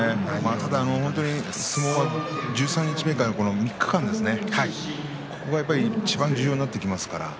ただ、本当に相撲は十三日目からの３日間がいちばん重要になってきます。